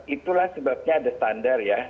itulah sebabnya ada standar ya